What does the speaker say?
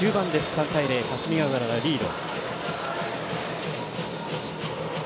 ３対０、霞ヶ浦がリード。